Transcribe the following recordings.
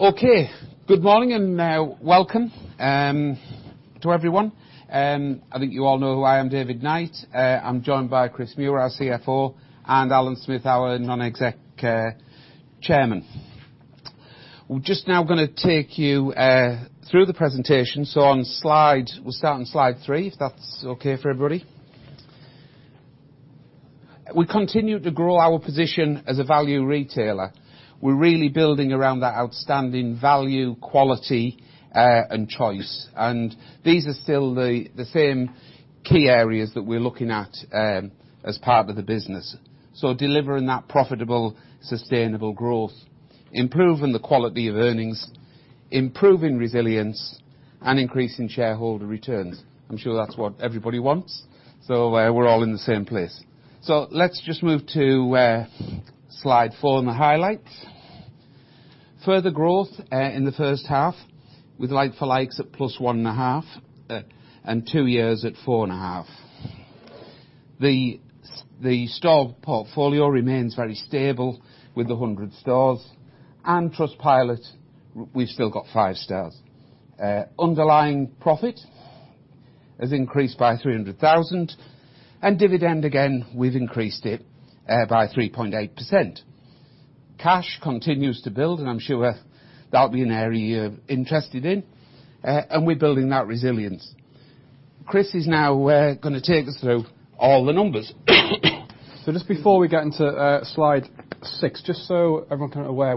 Okay. Good morning and welcome to everyone. I think you all know who I am, David Knight. I'm joined by Chris Muir, our CFO, and Alan Smith, our non-exec Chairman. We're just now going to take you through the presentation. We're starting slide three, if that's okay for everybody. We continue to grow our position as a value retailer. We're really building around that outstanding value, quality, and choice. These are still the same key areas that we're looking at as part of the business. Delivering that profitable, sustainable growth, improving the quality of earnings, improving resilience, and increasing shareholder returns. I'm sure that's what everybody wants, so we're all in the same place. Let's just move to slide four in the highlights. Further growth in the first half with like-for-likes at +1.5% and two years at 4.5%. The store portfolio remains very stable with 100 stores. On Trustpilot, we've still got five stars. Underlying profit has increased by 300,000. Dividend, again, we've increased it by 3.8%. Cash continues to build, and I'm sure that'll be an area you're interested in. We're building that resilience. Chris is now going to take us through all the numbers. Just before we get into slide six, just so everyone's kind of aware,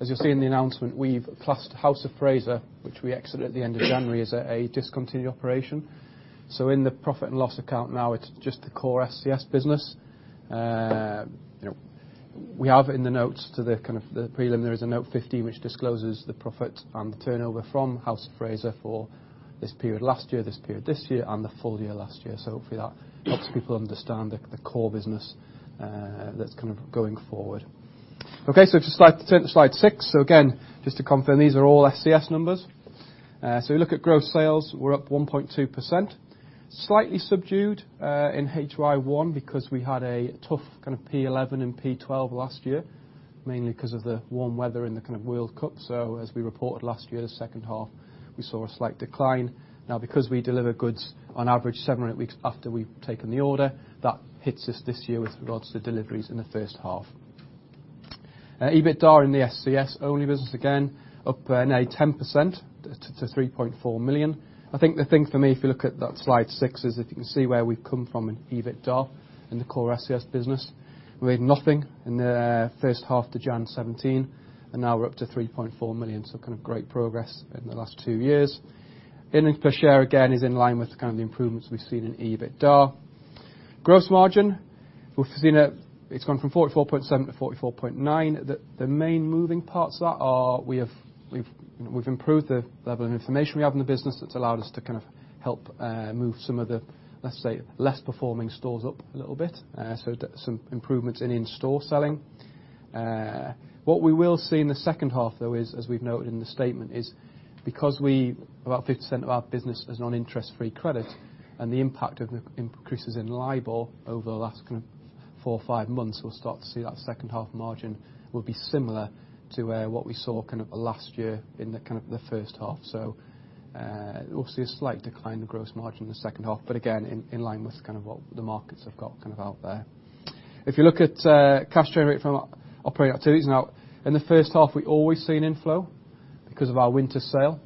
as you'll see in the announcement, we've classed House of Fraser, which we exited at the end of January, as a discontinued operation. In the profit and loss account now, it's just the core ScS business. We have in the notes to the kind of the prelim, there is a note 15 which discloses the profit and the turnover from House of Fraser for this period last year, this period this year, and the full year last year. Hopefully that helps people understand the core business that's kind of going forward. Okay. Just turn to slide six. Again, just to confirm, these are all ScS numbers. We look at gross sales. We're up 1.2%. Slightly subdued in HY1 because we had a tough kind of P11 and P12 last year, mainly because of the warm weather and the kind of World Cup. As we reported last year, the second half, we saw a slight decline. Now, because we deliver goods on average seven or eight weeks after we've taken the order, that hits us this year with regards to deliveries in the first half. EBITDA in the ScS-only business, again, up nearly 10% to 3.4 million. I think the thing for me, if you look at that slide six, is if you can see where we've come from in EBITDA in the core ScS business. We had nothing in the first half to January 2017, and now we're up to 3.4 million. Kind of great progress in the last two years. Income per share, again, is in line with kind of the improvements we've seen in EBITDA. Gross margin, we've seen it's gone from 44.7% to 44.9%. The main moving parts of that are we've improved the level of information we have in the business. That's allowed us to kind of help move some of the, let's say, less performing stores up a little bit. So some improvements in in-store selling. What we will see in the second half, though, as we've noted in the statement, is because we have about 50% of our business as non-interest-free credit, and the impact of the increases in LIBOR over the last kind of four or five months, we'll start to see that second half margin will be similar to what we saw kind of last year in the kind of the first half. So we'll see a slight decline in the gross margin in the second half, but again, in line with kind of what the markets have got kind of out there. If you look at cash turnover from operating activities, now, in the first half, we've always seen inflow because of our winter sale.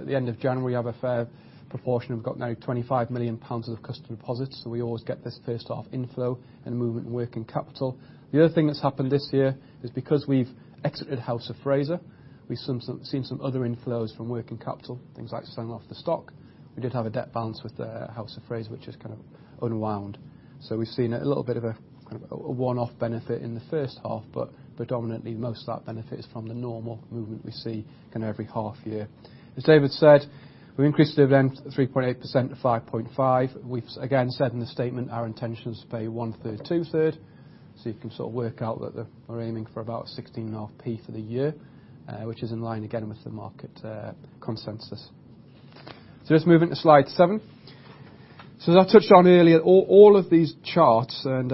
At the end of January, we have a fair proportion. We've got now 25 million pounds of customer deposits. We always get this first half inflow and movement in working capital. The other thing that's happened this year is because we've exited House of Fraser, we've seen some other inflows from working capital, things like selling off the stock. We did have a debt balance with House of Fraser, which has kind of unwound. We've seen a little bit of a kind of a one-off benefit in the first half, but predominantly, most of that benefit is from the normal movement we see kind of every half year. As David said, we've increased the dividend to 3.8% to 5.5%. We've again said in the statement our intention is to pay one-third, two-third. You can sort of work out that we're aiming for about 16.5p for the year, which is in line again with the market consensus. Just moving to slide seven. As I touched on earlier, all of these charts and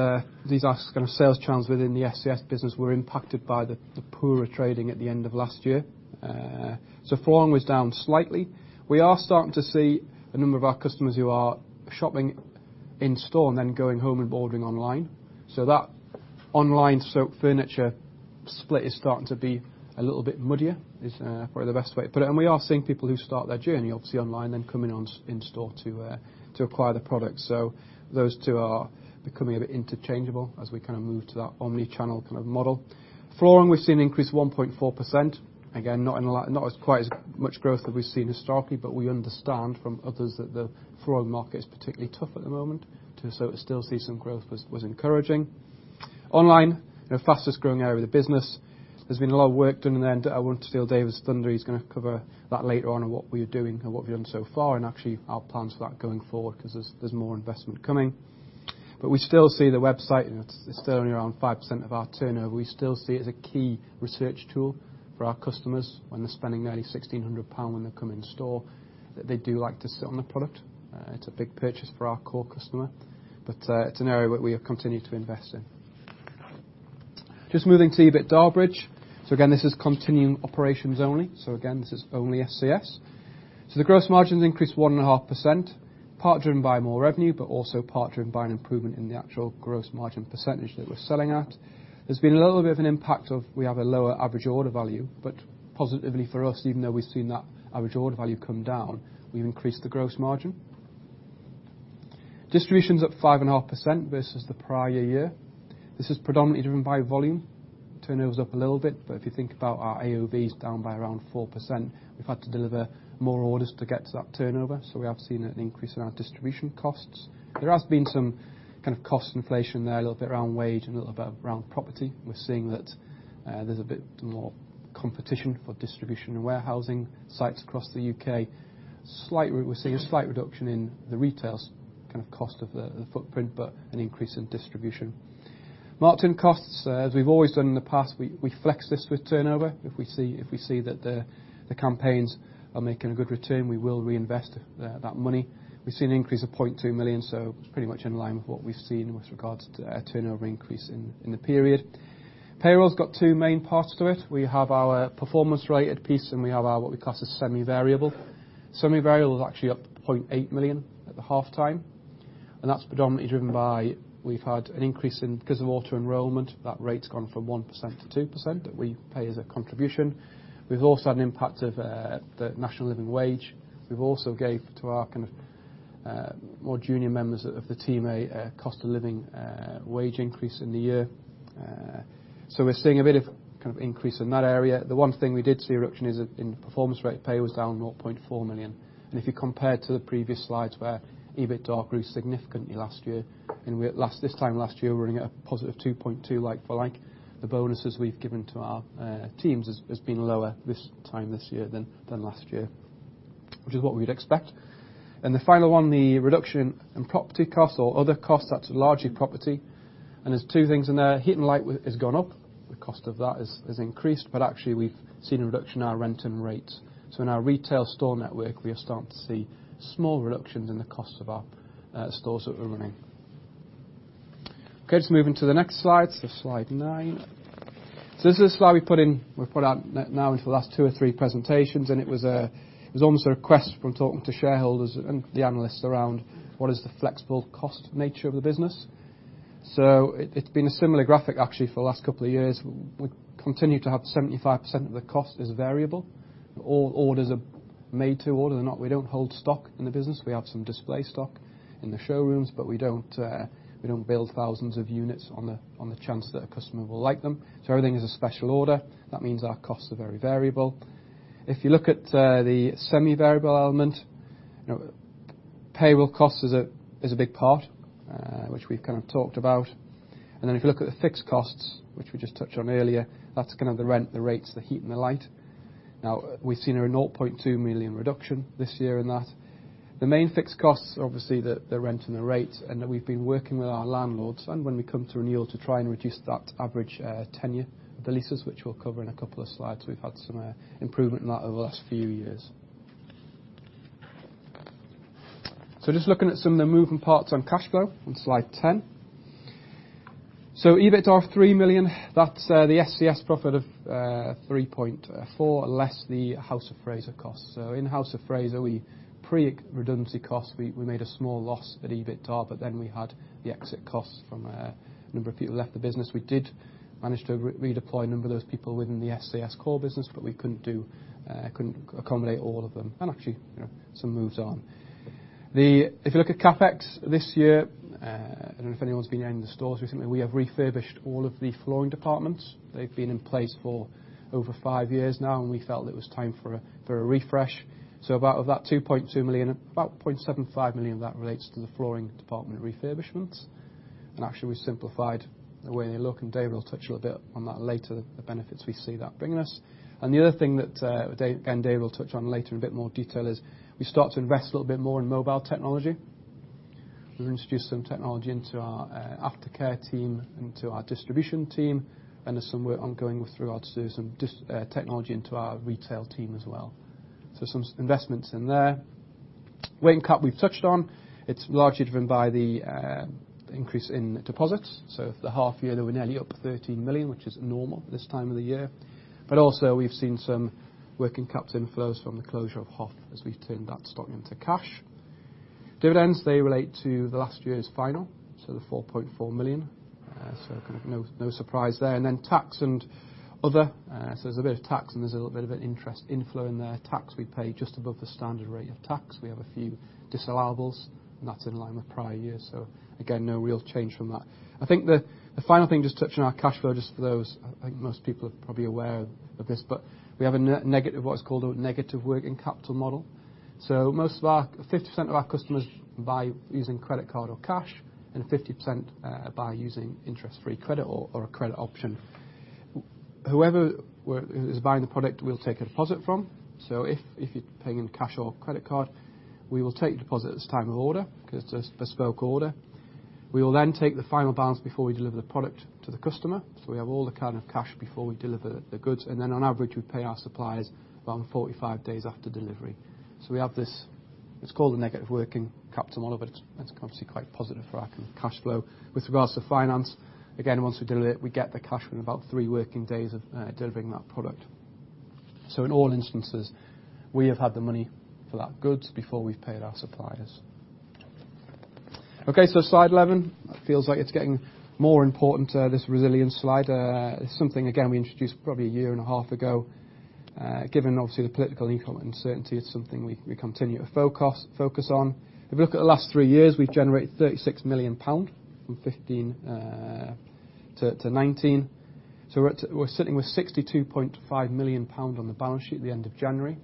these kind of sales channels within the ScS business were impacted by the poorer trading at the end of last year. For long, we're down slightly. We are starting to see a number of our customers who are shopping in-store and then going home and ordering online. That online furniture split is starting to be a little bit muddier, is probably the best way to put it. We are seeing people who start their journey, obviously, online, then coming in-store to acquire the product. Those two are becoming a bit interchangeable as we kind of move to that omnichannel kind of model. Flooring, we've seen an increase of 1.4%. Again, not quite as much growth as we've seen historically, but we understand from others that the flooring market is particularly tough at the moment. To still see some growth was encouraging. Online, the fastest growing area of the business. There's been a lot of work done in there. I won't steal David's thunder. He's going to cover that later on and what we are doing and what we've done so far and actually our plans for that going forward because there's more investment coming. We still see the website, it's still only around 5% of our turnover. We still see it as a key research tool for our customers when they're spending nearly 1,600 pound when they come in-store, that they do like to sit on the product. It's a big purchase for our core customer, but it's an area that we have continued to invest in. Just moving to EBITDA bridge. This is continuing operations only. This is only ScS. The gross margins increased 1.5%, part driven by more revenue, but also part driven by an improvement in the actual gross margin percentage that we're selling at. There's been a little bit of an impact of we have a lower average order value, but positively for us, even though we've seen that average order value come down, we've increased the gross margin. Distribution's up 5.5% versus the prior year. This is predominantly driven by volume. Turnover's up a little bit, but if you think about our AOV's down by around 4%. We've had to deliver more orders to get to that turnover. We have seen an increase in our distribution costs. There has been some kind of cost inflation there, a little bit around wage and a little bit around property. We're seeing that there's a bit more competition for distribution and warehousing sites across the U.K. We're seeing a slight reduction in the retail's kind of cost of the footprint, but an increase in distribution. Marketing costs, as we've always done in the past, we flex this with turnover. If we see that the campaigns are making a good return, we will reinvest that money. We've seen an increase of 0.2 million, so it's pretty much in line with what we've seen with regards to turnover increase in the period. Payroll's got two main parts to it. We have our performance-rated piece, and we have what we class as semi-variable. Semi-variable's actually up 0.8 million at the halftime. That's predominantly driven by we've had an increase in because of auto enrollment, that rate's gone from 1% to 2% that we pay as a contribution. We've also had an impact of the national living wage. We've also gave to our kind of more junior members of the team a cost of living wage increase in the year. We're seeing a bit of kind of increase in that area. The one thing we did see a reduction is in performance rate. Payroll's down 0.4 million. If you compare it to the previous slides where EBITDA grew significantly last year, and this time last year, we're running at a positive 2.2% like for like. The bonuses we have given to our teams has been lower this time this year than last year, which is what we would expect. The final one, the reduction in property costs or other costs, that is largely property. There are two things in there. Heat and light has gone up. The cost of that has increased, but actually we have seen a reduction in our rent and rates. In our retail store network, we are starting to see small reductions in the costs of our stores that we are running. Okay. Just moving to the next slide. Slide nine. This is a slide we have put in. We have put out now into the last two or three presentations, and it was almost a request from talking to shareholders and the analysts around what is the flexible cost nature of the business. It's been a similar graphic actually for the last couple of years. We continue to have 75% of the cost is variable. All orders are made to order. We do not hold stock in the business. We have some display stock in the showrooms, but we do not build thousands of units on the chance that a customer will like them. Everything is a special order. That means our costs are very variable. If you look at the semi-variable element, payroll costs is a big part, which we have kind of talked about. If you look at the fixed costs, which we just touched on earlier, that is kind of the rent, the rates, the heat, and the light. We have seen a 0.2 million reduction this year in that. The main fixed costs, obviously, are the rent and the rate, and we have been working with our landlords. When we come to renewal to try and reduce that average tenure, the leases, which we'll cover in a couple of slides, we've had some improvement in that over the last few years. Just looking at some of the moving parts on cash flow on slide 10. EBITDA of 3 million, that's the ScS profit of 3.4 million less the House of Fraser costs. In House of Fraser, pre-redundancy costs, we made a small loss at EBITDA, but then we had the exit costs from a number of people who left the business. We did manage to redeploy a number of those people within the ScS core business, but we could not accommodate all of them. Actually, some moved on. If you look at CapEx this year, I do not know if anyone's been in the stores recently. We have refurbished all of the flooring departments. They've been in place for over five years now, and we felt it was time for a refresh. About 2.2 million, about 0.75 million of that relates to the flooring department refurbishments. Actually, we've simplified the way they look, and Dave will touch a little bit on that later, the benefits we see that bringing us. The other thing that, again, Dave will touch on later in a bit more detail is we start to invest a little bit more in mobile technology. We've introduced some technology into our aftercare team, into our distribution team, and there's some work ongoing with regards to some technology into our retail team as well. Some investments in there. Waiting cap we've touched on. It's largely driven by the increase in deposits. The half year that we're nearly up 13 million, which is normal this time of the year. Also, we've seen some working caps inflows from the closure of House of Fraser as we've turned that stock into cash. Dividends, they relate to last year's final, so the 4.4 million. Kind of no surprise there. Then tax and other. There's a bit of tax, and there's a little bit of an interest inflow in there. Tax we pay just above the standard rate of tax. We have a few disallowables, and that's in line with prior years. Again, no real change from that. I think the final thing, just touching our cash flow, just for those, I think most people are probably aware of this, but we have a negative, what's called a negative working capital model. Most of our 50% of our customers buy using credit card or cash, and 50% buy using interest-free credit or a credit option. Whoever is buying the product, we'll take a deposit from. If you're paying in cash or credit card, we will take your deposit at the time of order because it's a bespoke order. We will then take the final balance before we deliver the product to the customer. We have all the kind of cash before we deliver the goods. On average, we pay our suppliers around 45 days after delivery. We have this, it's called a negative working capital model, but it's obviously quite positive for our kind of cash flow. With regards to finance, again, once we deliver it, we get the cash within about three working days of delivering that product. In all instances, we have had the money for that goods before we've paid our suppliers. Okay. Slide 11, it feels like it's getting more important, this resilience slide. It's something, again, we introduced probably a year and a half ago. Given obviously the political income uncertainty, it's something we continue to focus on. If you look at the last three years, we've generated 36 million pound. From 2015 to 2019. We're sitting with 62.5 million pound on the balance sheet at the end of January.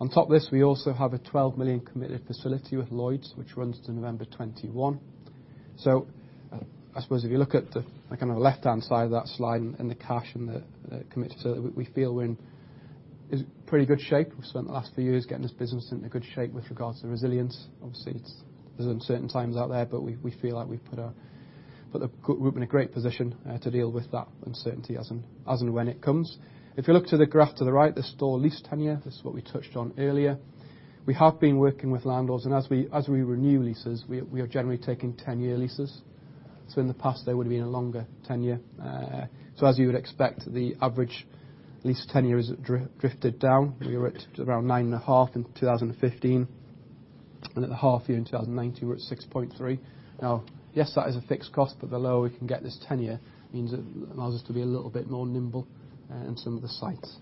On top of this, we also have a 12 million committed facility with Lloyds, which runs to November 2021. I suppose if you look at the kind of left-hand side of that slide and the cash and the commitment, we feel we're in pretty good shape. We've spent the last few years getting this business into good shape with regards to resilience. Obviously, there's uncertain times out there, but we feel like we've put the group in a great position to deal with that uncertainty as and when it comes. If you look to the graph to the right, the store lease tenure, this is what we touched on earlier. We have been working with landlords, and as we renew leases, we are generally taking 10-year leases. In the past, they would have been a longer tenure. As you would expect, the average lease tenure has drifted down. We were at around 9.5 in 2015, and at the half year in 2019, we're at 6.3. Now, yes, that is a fixed cost, but the lower we can get this tenure means it allows us to be a little bit more nimble in some of the sites.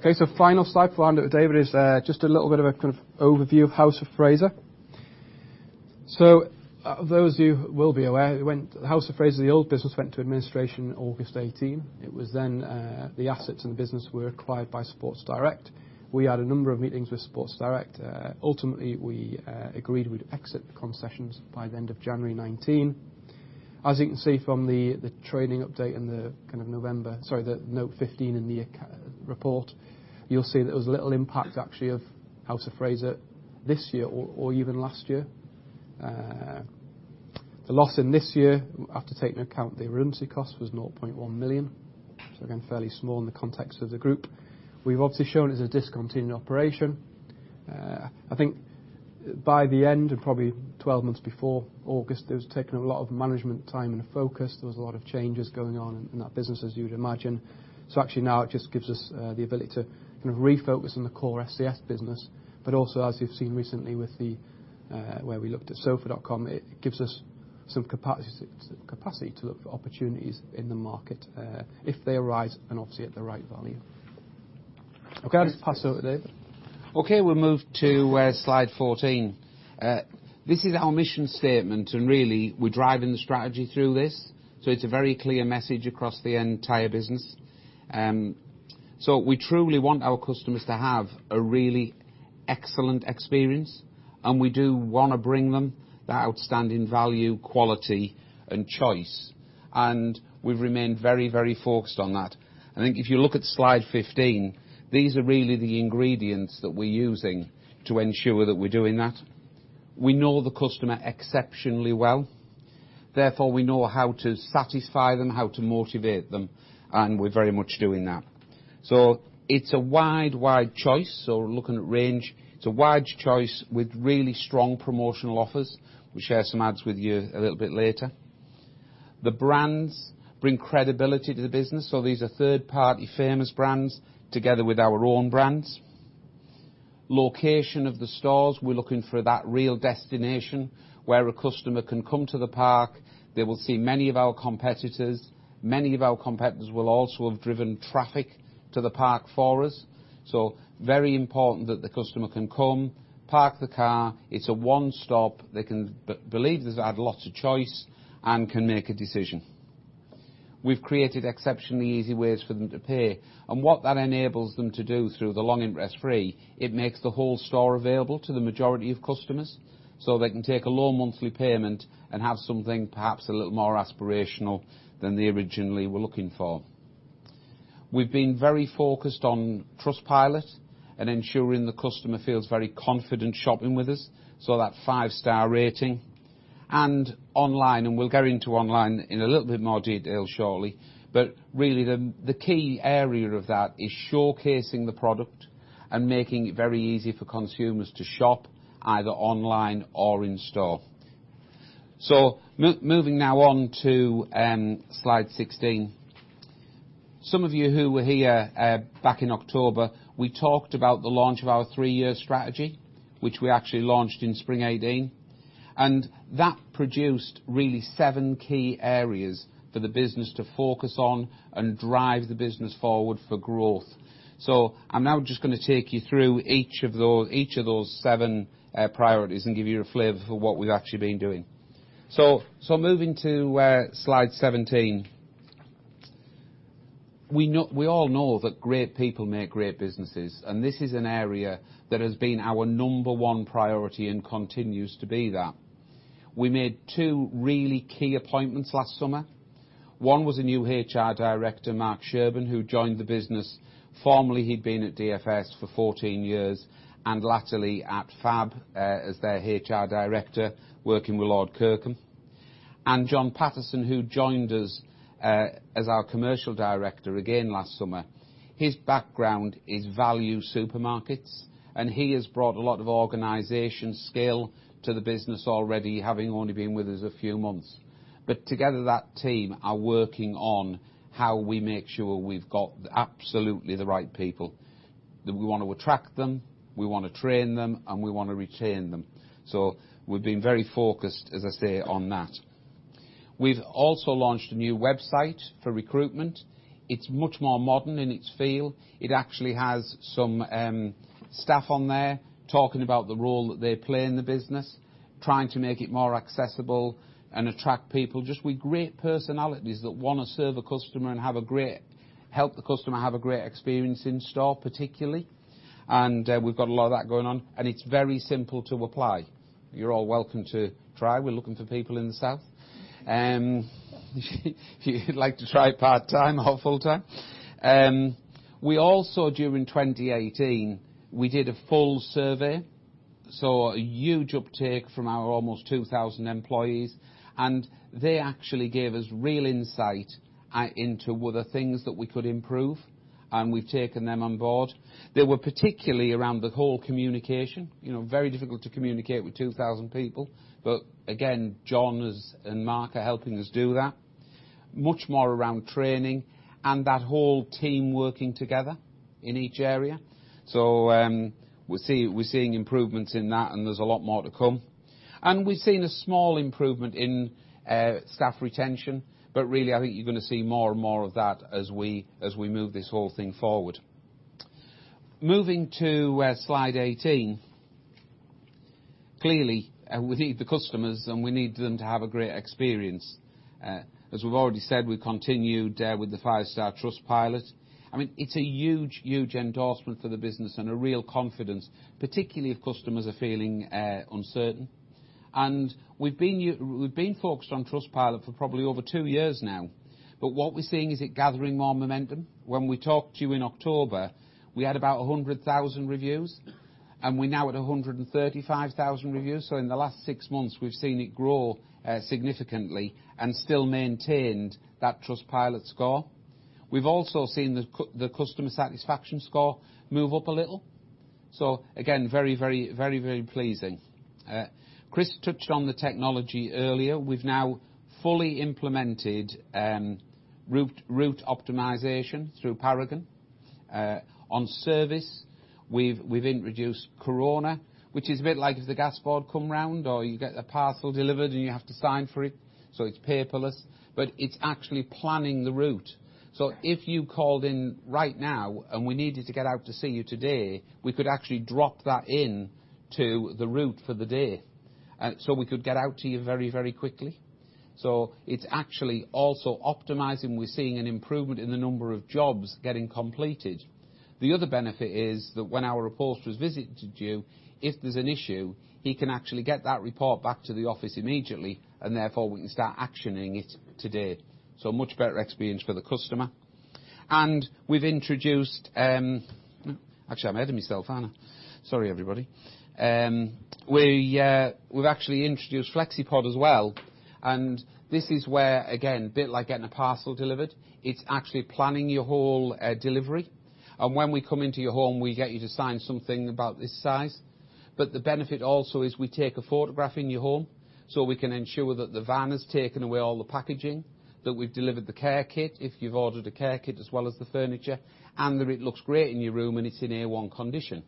Okay. Final slide before I hand it over to David is just a little bit of a kind of overview of House of Fraser. Those of you who will be aware, the House of Fraser, the old business, went into administration in August 2018. It was then the assets and the business were acquired by Sports Direct. We had a number of meetings with Sports Direct. Ultimately, we agreed we would exit the concessions by the end of January 2019. As you can see from the trading update and the kind of November, sorry, the note 15 in the report, you will see that there was little impact actually of House of Fraser this year or even last year. The loss in this year, after taking account of the redundancy costs, was 0.1 million. Again, fairly small in the context of the group. We have obviously shown it as a discontinued operation. I think by the end and probably 12 months before August, there was taken a lot of management time and focus. There was a lot of changes going on in that business, as you'd imagine. Actually now it just gives us the ability to kind of refocus on the core ScS business, but also, as you've seen recently with where we looked at Sofa.com, it gives us some capacity to look for opportunities in the market if they arise and obviously at the right value. Okay. I'll just pass over to David. Okay. We'll move to slide 14. This is our mission statement, and really we're driving the strategy through this. It is a very clear message across the entire business. We truly want our customers to have a really excellent experience, and we do want to bring them that outstanding value, quality, and choice. We have remained very, very focused on that. I think if you look at slide 15, these are really the ingredients that we are using to ensure that we are doing that. We know the customer exceptionally well. Therefore, we know how to satisfy them, how to motivate them, and we are very much doing that. It is a wide, wide choice. Looking at range, it is a wide choice with really strong promotional offers. We will share some ads with you a little bit later. The brands bring credibility to the business. These are third-party famous brands together with our own brands. Location of the stores, we are looking for that real destination where a customer can come to the park. They will see many of our competitors. Many of our competitors will also have driven traffic to the park for us. It is very important that the customer can come, park the car. It's a one-stop. They can believe there's a lot of choice and can make a decision. We've created exceptionally easy ways for them to pay. What that enables them to do through the long interest-free, it makes the whole store available to the majority of customers so they can take a low monthly payment and have something perhaps a little more aspirational than they originally were looking for. We've been very focused on Trustpilot and ensuring the customer feels very confident shopping with us. That five-star rating and online, and we'll get into online in a little bit more detail shortly. Really, the key area of that is showcasing the product and making it very easy for consumers to shop either online or in store. Moving now on to slide 16. Some of you who were here back in October, we talked about the launch of our three-year strategy, which we actually launched in spring 2018. That produced really seven key areas for the business to focus on and drive the business forward for growth. I'm now just going to take you through each of those seven priorities and give you a flavor for what we've actually been doing. Moving to slide 17. We all know that great people make great businesses, and this is an area that has been our number one priority and continues to be that. We made two really key appointments last summer. One was a new HR Director, Mark Sherman, who joined the business. Formerly, he'd been at DFS for 14 years and laterally at Fab as their HR Director working with Lord Kirkham. John Patterson, who joined us as our Commercial Director again last summer, his background is value supermarkets, and he has brought a lot of organization skill to the business already, having only been with us a few months. Together, that team are working on how we make sure we've got absolutely the right people. We want to attract them, we want to train them, and we want to retain them. We have been very focused, as I say, on that. We have also launched a new website for recruitment. It is much more modern in its feel. It actually has some staff on there talking about the role that they play in the business, trying to make it more accessible and attract people. Just with great personalities that want to serve a customer and help the customer have a great experience in store, particularly. We have got a lot of that going on, and it is very simple to apply. You are all welcome to try. We are looking for people in the south if you would like to try it part-time or full-time. During 2018, we did a full survey. A huge uptake from our almost 2,000 employees, and they actually gave us real insight into what are things that we could improve, and we have taken them on board. They were particularly around the whole communication. Very difficult to communicate with 2,000 people, but again, John and Mark are helping us do that. Much more around training and that whole team working together in each area. We are seeing improvements in that, and there is a lot more to come. We have seen a small improvement in staff retention, but really, I think you are going to see more and more of that as we move this whole thing forward. Moving to slide 18. Clearly, we need the customers, and we need them to have a great experience. As we have already said, we have continued with the five-star Trustpilot. I mean, it is a huge, huge endorsement for the business and a real confidence, particularly if customers are feeling uncertain. We have been focused on Trustpilot for probably over two years now, but what we are seeing is it gathering more momentum. When we talked to you in October, we had about 100,000 reviews, and we are now at 135,000 reviews. In the last six months, we have seen it grow significantly and still maintained that Trustpilot score. We have also seen the customer satisfaction score move up a little. Again, very, very, very pleasing. Chris touched on the technology earlier. We've now fully implemented route optimization through Paragon. On service, we've introduced Corona, which is a bit like if the gas board come round or you get a parcel delivered and you have to sign for it. It's paperless, but it's actually planning the route. If you called in right now and we needed to get out to see you today, we could actually drop that into the route for the day. We could get out to you very, very quickly. It's actually also optimizing. We're seeing an improvement in the number of jobs getting completed. The other benefit is that when our reporter has visited you, if there's an issue, he can actually get that report back to the office immediately, and therefore we can start actioning it today. Much better experience for the customer. We've introduced, actually, I'm ahead of myself, aren't I? Sorry, everybody. We've actually introduced Flexipod as well. This is where, again, a bit like getting a parcel delivered, it's actually planning your whole delivery. When we come into your home, we get you to sign something about this size. The benefit also is we take a photograph in your home so we can ensure that the van has taken away all the packaging, that we've delivered the care kit if you've ordered a care kit as well as the furniture, and that it looks great in your room and it's in A1 condition.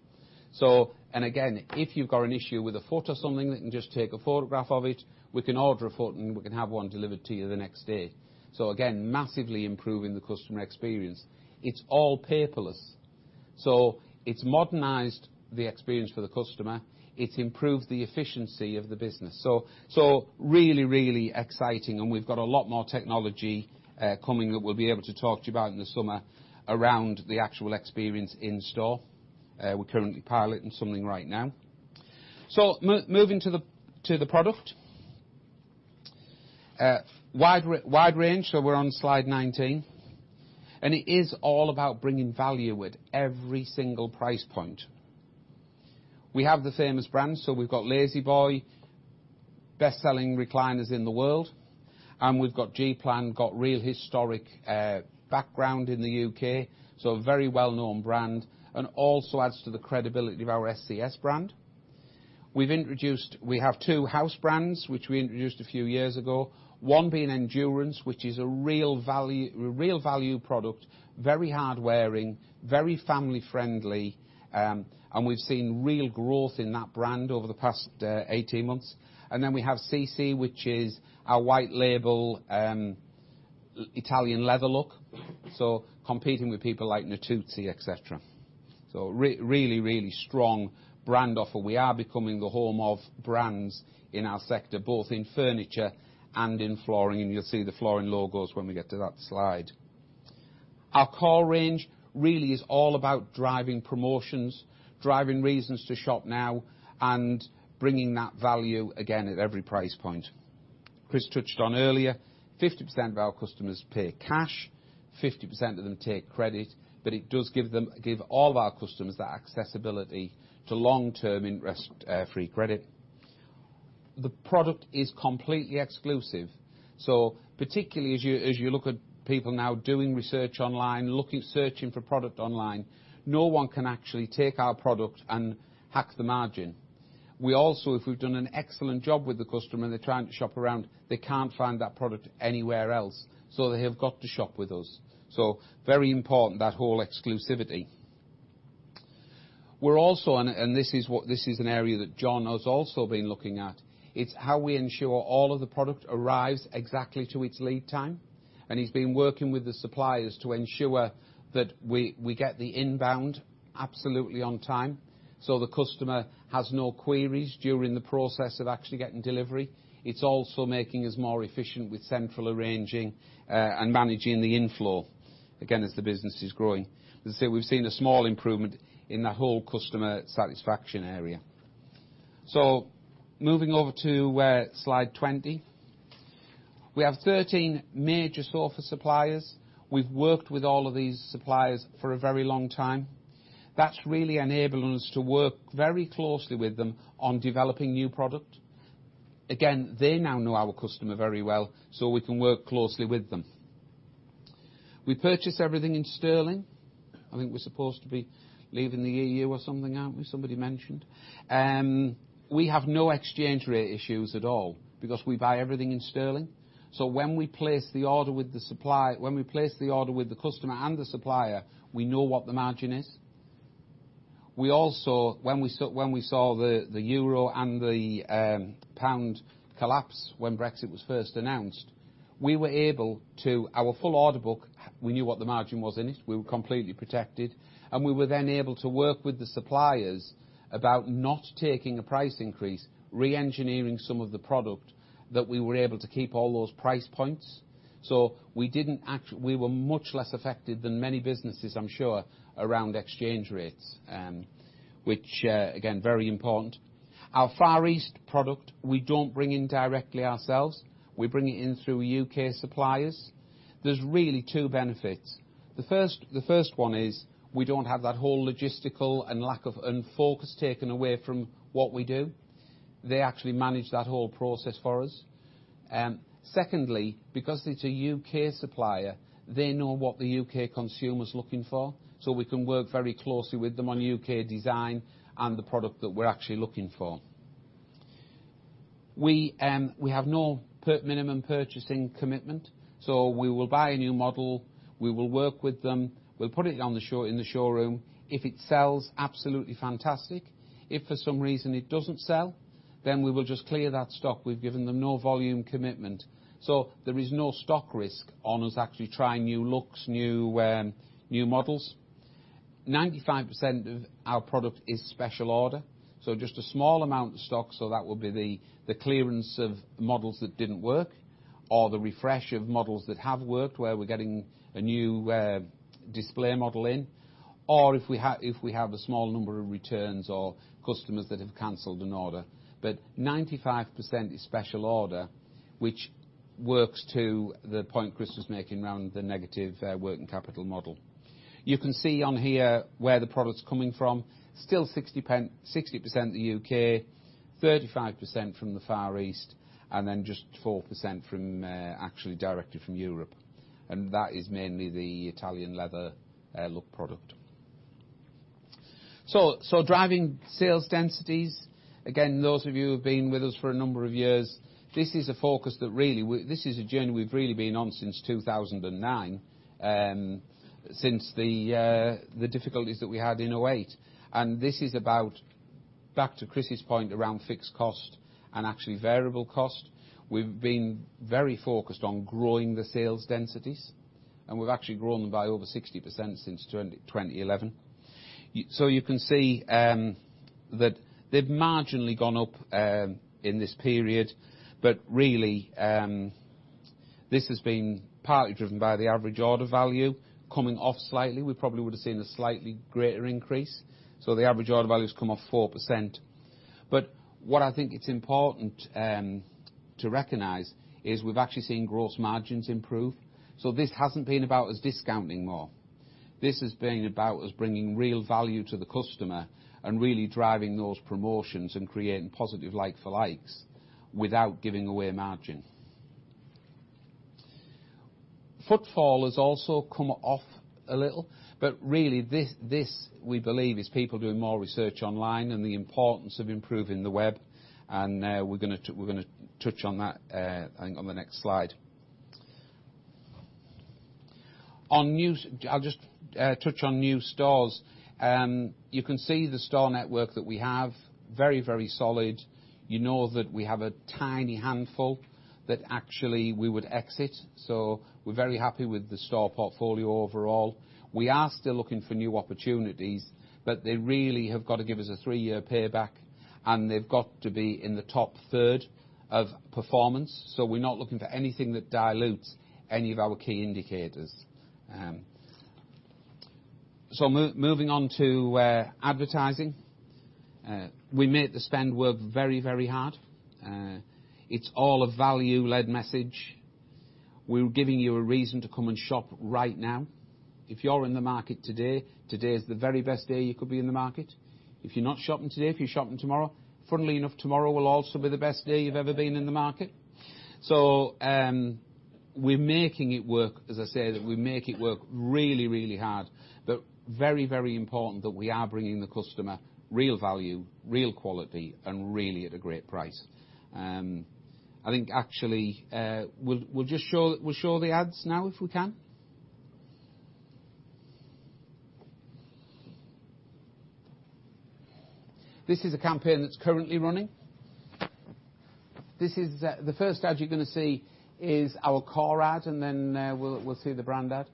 Again, if you've got an issue with a foot or something, we can just take a photograph of it. We can order a foot, and we can have one delivered to you the next day. Again, massively improving the customer experience. It is all paperless. It has modernized the experience for the customer. It has improved the efficiency of the business. Really, really exciting. We have a lot more technology coming that we will be able to talk to you about in the summer around the actual experience in store. We are currently piloting something right now. Moving to the product. Wide range. We are on slide 19. It is all about bringing value with every single price point. We have the famous brands. We have La-Z-Boy, best-selling recliners in the world. We have G Plan, with real historic background in the U.K. A very well-known brand and also adds to the credibility of our ScS brand. We have two house brands which we introduced a few years ago, one being Endurance, which is a real value product, very hard-wearing, very family-friendly. We have seen real growth in that brand over the past 18 months. We have CC, which is our white label Italian leather look. Competing with people like Natuzzi, etc. Really, really strong brand offer. We are becoming the home of brands in our sector, both in furniture and in flooring. You will see the flooring logos when we get to that slide. Our call range really is all about driving promotions, driving reasons to shop now, and bringing that value again at every price point. Chris touched on earlier, 50% of our customers pay cash, 50% of them take credit, but it does give all of our customers that accessibility to long-term interest-free credit. The product is completely exclusive. Particularly as you look at people now doing research online, searching for product online, no one can actually take our product and hack the margin. We also, if we've done an excellent job with the customer and they're trying to shop around, they can't find that product anywhere else. They have got to shop with us. Very important, that whole exclusivity. This is an area that John has also been looking at. It's how we ensure all of the product arrives exactly to its lead time. He's been working with the suppliers to ensure that we get the inbound absolutely on time so the customer has no queries during the process of actually getting delivery. It's also making us more efficient with central arranging and managing the inflow. Again, as the business is growing, we've seen a small improvement in that whole customer satisfaction area. Moving over to slide 20. We have 13 major software suppliers. We've worked with all of these suppliers for a very long time. That's really enabling us to work very closely with them on developing new product. Again, they now know our customer very well, so we can work closely with them. We purchase everything in sterling. I think we're supposed to be leaving the EU or something, aren't we? Somebody mentioned. We have no exchange rate issues at all because we buy everything in sterling. When we place the order with the supplier, when we place the order with the customer and the supplier, we know what the margin is. When we saw the euro and the pound collapse when Brexit was first announced, we were able to our full order book, we knew what the margin was in it. We were completely protected. We were then able to work with the suppliers about not taking a price increase, re-engineering some of the product so that we were able to keep all those price points. We were much less affected than many businesses, I'm sure, around exchange rates, which, again, is very important. Our Far East product, we do not bring in directly ourselves. We bring it in through U.K. suppliers. There are really two benefits. The first one is we do not have that whole logistical and lack of focus taken away from what we do. They actually manage that whole process for us. Secondly, because it is a U.K. supplier, they know what the U.K. consumer is looking for. We can work very closely with them on U.K. design and the product that we are actually looking for. We have no minimum purchasing commitment. We will buy a new model. We will work with them. We'll put it in the showroom. If it sells, absolutely fantastic. If for some reason it doesn't sell, we will just clear that stock. We've given them no volume commitment. There is no stock risk on us actually trying new looks, new models. 95% of our product is special order, so just a small amount of stock. That will be the clearance of models that didn't work or the refresh of models that have worked where we're getting a new display model in, or if we have a small number of returns or customers that have canceled an order. 95% is special order, which works to the point Chris was making around the negative working capital model. You can see on here where the product's coming from. Still 60% the U.K., 35% from the Far East, and then just 4% actually directed from Europe. That is mainly the Italian leather look product. Driving sales densities, again, those of you who've been with us for a number of years, this is a focus that really, this is a journey we've really been on since 2009, since the difficulties that we had in 2008. This is about back to Chris's point around fixed cost and actually variable cost. We've been very focused on growing the sales densities, and we've actually grown them by over 60% since 2011. You can see that they've marginally gone up in this period, but really, this has been partly driven by the average order value coming off slightly. We probably would have seen a slightly greater increase. The average order value has come off 4%. What I think is important to recognize is we've actually seen gross margins improve. This has not been about us discounting more. This has been about us bringing real value to the customer and really driving those promotions and creating positive like-for-likes without giving away margin. Footfall has also come off a little, but really, this we believe is people doing more research online and the importance of improving the web. We are going to touch on that, I think, on the next slide. I will just touch on new stores. You can see the store network that we have, very, very solid. You know that we have a tiny handful that actually we would exit. We are very happy with the store portfolio overall. We are still looking for new opportunities, but they really have got to give us a three-year payback, and they have got to be in the top third of performance. We're not looking for anything that dilutes any of our key indicators. Moving on to advertising. We made the spend work very, very hard. It's all a value-led message. We're giving you a reason to come and shop right now. If you're in the market today, today is the very best day you could be in the market. If you're not shopping today, if you're shopping tomorrow, funnily enough, tomorrow will also be the best day you've ever been in the market. We're making it work, as I say, that we make it work really, really hard. Very, very important that we are bringing the customer real value, real quality, and really at a great price. I think actually we'll show the ads now if we can. This is a campaign that's currently running. The first ad you're going to see is our car ad, and then we'll see the brand ad.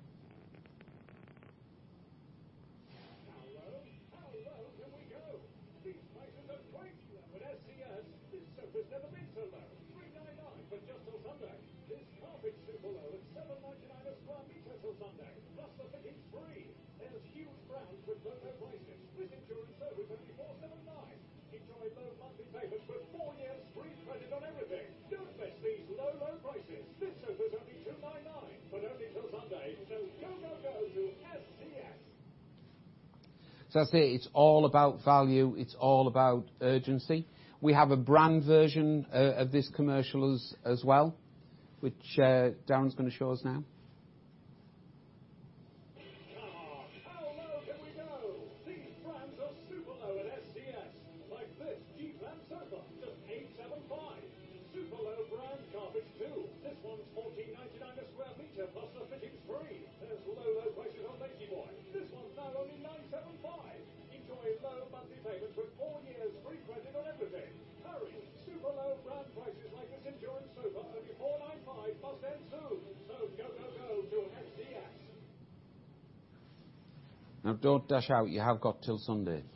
Hello, hello, here we go. These brands are super low at ScS. Like this G Plan sofa, just GBP 875. Super low brand carpet too. This one's GBP 14.99 a sq m. Plus the thick is free. There's low, low prices on La-Z-Boy. This one's now only GBP 975. Enjoy low monthly payments with four years free credit on everything. Hurry, super low brand prices like this Endurance sofa, only GBP 495, must end soon. Go, go, go to ScS. Now, don't dash out. You have got till Sunday. Thanks.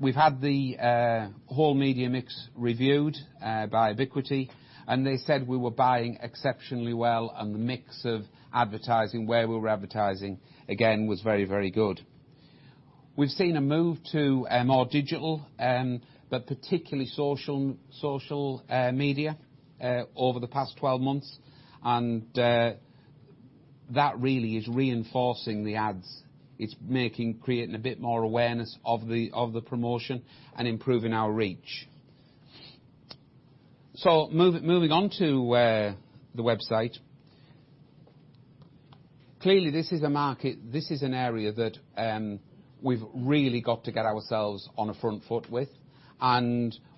We've had the whole media mix reviewed by Ebiquity, and they said we were buying exceptionally well, and the mix of advertising, where we were advertising, again, was very, very good. We've seen a move to more digital, particularly social media over the past 12 months. That really is reinforcing the ads. It's creating a bit more awareness of the promotion and improving our reach. Moving on to the website. Clearly, this is a market, this is an area that we've really got to get ourselves on a front foot with.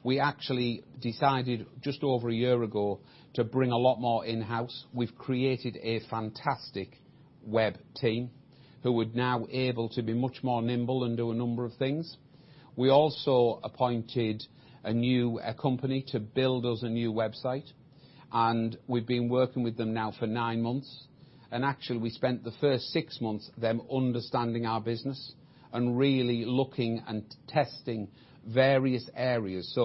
We actually decided just over a year ago to bring a lot more in-house. We've created a fantastic web team who are now able to be much more nimble and do a number of things. We also appointed a new company to build us a new website. We've been working with them now for nine months. Actually, we spent the first six months with them understanding our business and really looking and testing various areas.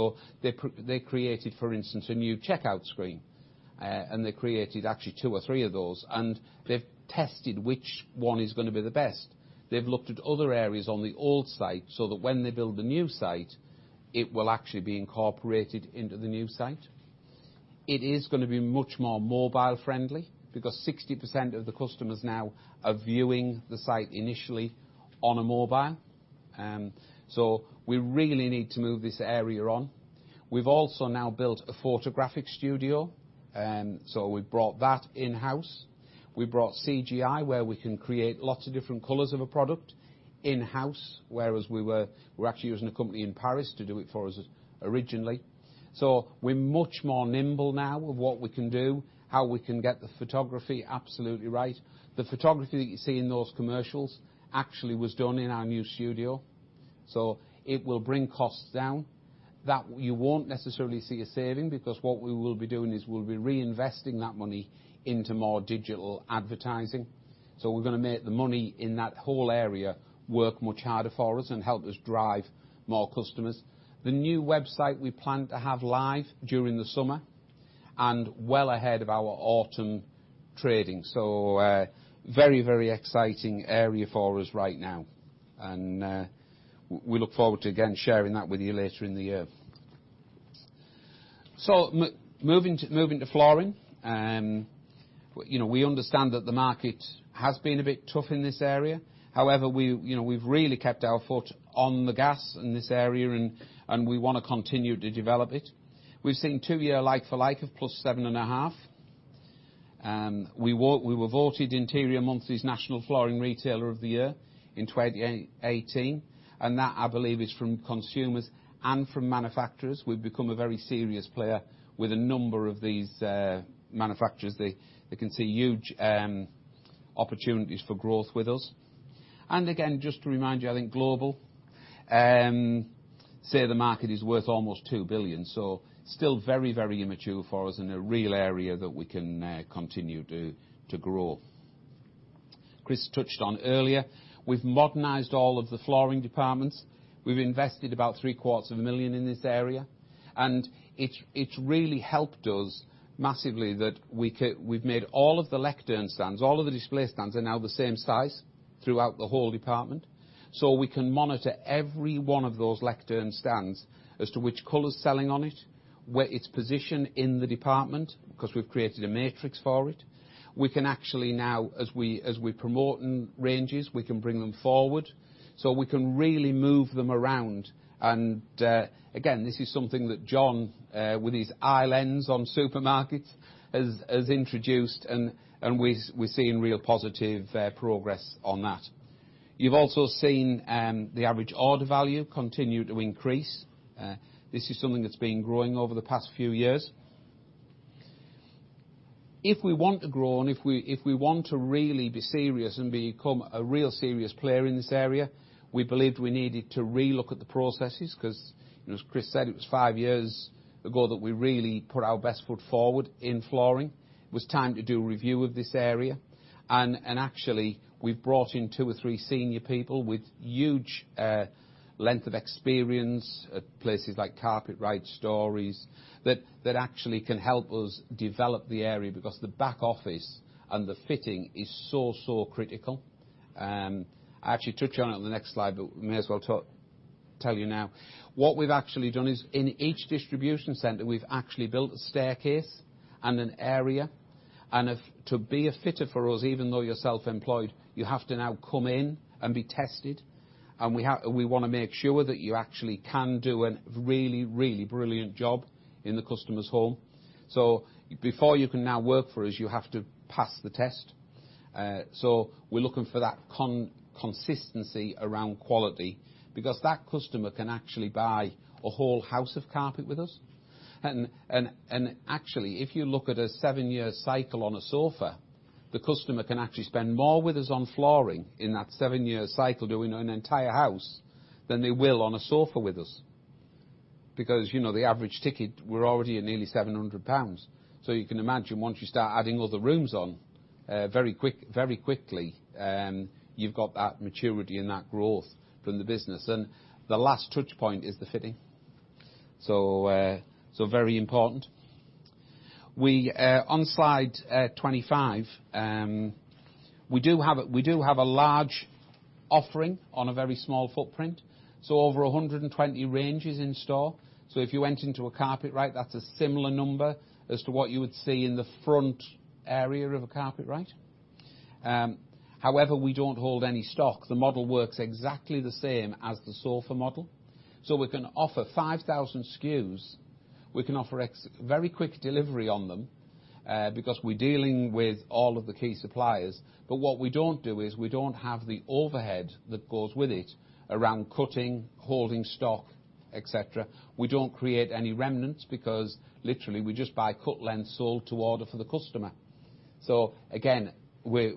They created, for instance, a new checkout screen, and they created actually two or three of those. They've tested which one is going to be the best. They've looked at other areas on the old site so that when they build the new site, it will actually be incorporated into the new site. It is going to be much more mobile-friendly because 60% of the customers now are viewing the site initially on a mobile. So we really need to move this area on. We've also now built a photographic studio. So we've brought that in-house. We brought CGI, where we can create lots of different colors of a product in-house, whereas we were actually using a company in Paris to do it for us originally. So we're much more nimble now of what we can do, how we can get the photography absolutely right. The photography that you see in those commercials actually was done in our new studio. So it will bring costs down. You won't necessarily see a saving because what we will be doing is we'll be reinvesting that money into more digital advertising. We are going to make the money in that whole area work much harder for us and help us drive more customers. The new website we plan to have live during the summer and well ahead of our autumn trading. Very, very exciting area for us right now. We look forward to, again, sharing that with you later in the year. Moving to flooring. We understand that the market has been a bit tough in this area. However, we've really kept our foot on the gas in this area, and we want to continue to develop it. We've seen two-year like-for-like of +7.5%. We were voted Interior Monthly's National Flooring Retailer of the Year in 2018. That, I believe, is from consumers and from manufacturers. We've become a very serious player with a number of these manufacturers. They can see huge opportunities for growth with us. Just to remind you, I think global, say the market is worth almost 2 billion. Still very, very immature for us and a real area that we can continue to grow. Chris touched on earlier. We've modernized all of the flooring departments. We've invested about 750,000 in this area. It's really helped us massively that we've made all of the lectern stands, all of the display stands are now the same size throughout the whole department. We can monitor every one of those lectern stands as to which color's selling on it, its position in the department because we've created a matrix for it. We can actually now, as we promote ranges, bring them forward. We can really move them around. This is something that John, with his eye lens on supermarkets, has introduced, and we're seeing real positive progress on that. You've also seen the average order value continue to increase. This is something that's been growing over the past few years. If we want to grow and if we want to really be serious and become a real serious player in this area, we believed we needed to re-look at the processes because, as Chris said, it was five years ago that we really put our best foot forward in flooring. It was time to do a review of this area. Actually, we've brought in two or three senior people with huge length of experience at places like Carpetright stores that actually can help us develop the area because the back office and the fitting is so, so critical. I actually touch on it on the next slide, but may as well tell you now. What we've actually done is in each distribution centre, we've actually built a staircase and an area. To be a fitter for us, even though you're self-employed, you have to now come in and be tested. We want to make sure that you actually can do a really, really brilliant job in the customer's home. Before you can now work for us, you have to pass the test. We're looking for that consistency around quality because that customer can actually buy a whole house of carpet with us. If you look at a seven-year cycle on a sofa, the customer can actually spend more with us on flooring in that seven-year cycle doing an entire house than they will on a sofa with us. Because the average ticket, we're already at nearly 700 pounds. You can imagine once you start adding other rooms on very quickly, you've got that maturity and that growth from the business. The last touch point is the fitting. Very important. On slide 25, we do have a large offering on a very small footprint. Over 120 ranges in store. If you went into a Carpetright, that's a similar number as to what you would see in the front area of a Carpetright. However, we do not hold any stock. The model works exactly the same as the sofa model. We can offer 5,000 SKUs. We can offer very quick delivery on them because we're dealing with all of the key suppliers. What we don't do is we don't have the overhead that goes with it around cutting, holding stock, etc. We don't create any remnants because literally we just buy cut lengths all to order for the customer. Again, we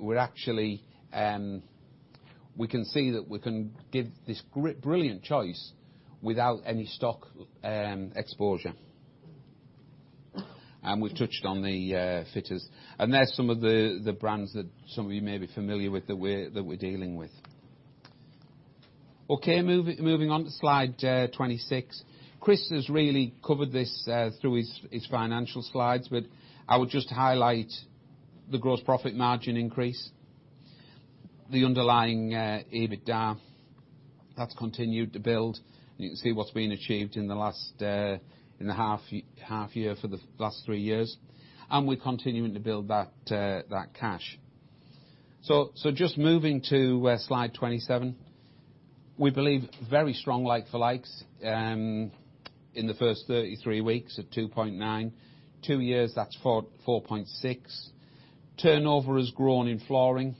can see that we can give this brilliant choice without any stock exposure. We've touched on the fitters. There are some of the brands that some of you may be familiar with that we're dealing with. Okay, moving on to slide 26. Chris has really covered this through his financial slides, but I would just highlight the gross profit margin increase, the underlying EBITDA that's continued to build. You can see what's been achieved in the half year for the last three years. We're continuing to build that cash. Just moving to slide 27, we believe very strong like-for-likes in the first 33 weeks at 2.9%. Two years, that's 4.6%. Turnover has grown in flooring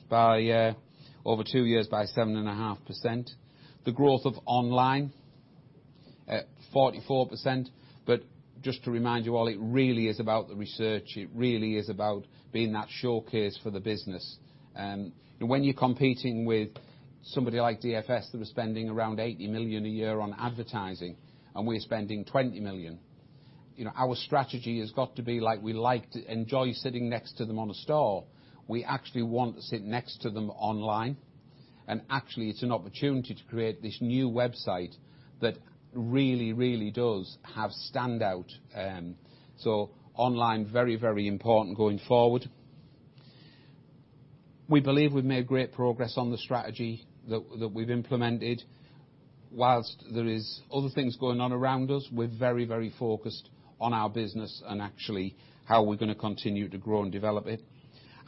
over two years by 7.5%. The growth of online at 44%. Just to remind you all, it really is about the research. It really is about being that showcase for the business. When you're competing with somebody like DFS that are spending around 80 million a year on advertising and we're spending 20 million, our strategy has got to be like we like to enjoy sitting next to them on a store. We actually want to sit next to them online. Actually, it's an opportunity to create this new website that really, really does have standout. Online, very, very important going forward. We believe we've made great progress on the strategy that we've implemented. Whilst there are other things going on around us, we're very, very focused on our business and actually how we're going to continue to grow and develop it.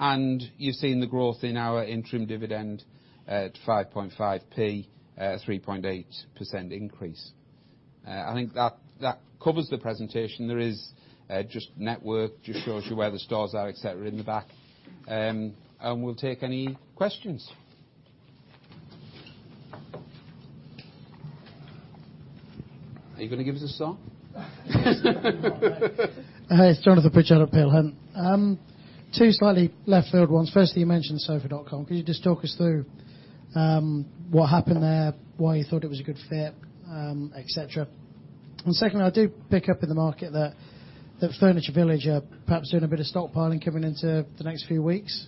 You have seen the growth in our interim dividend at GBP 5.5p a 3.8% increase. I think that covers the presentation. There is just network, just shows you where the stores are, etc., in the back. We'll take any questions. Are you going to give us a song? It's Jonathan Pritchard at Peel Hunt. Two slightly left-field ones. Firstly, you mentioned Sofa.com. Could you just talk us through what happened there, why you thought it was a good fit, etc.? Secondly, I do pick up in the market that Furniture Village are perhaps doing a bit of stockpiling coming into the next few weeks.